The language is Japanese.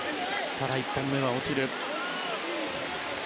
ただ、１本目は落ちた。